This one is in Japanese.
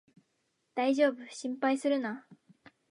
だいじょうぶ、心配するな